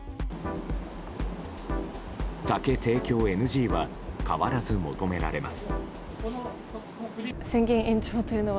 酒提供ＮＧは変わらず求められます。